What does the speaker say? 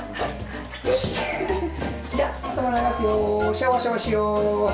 シャワシャワしよう。